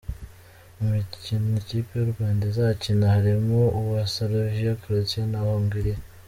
Mu mikino ikipe y’u Rwanda izakina harimo uwa Slovenia, Croatia na Hongiria.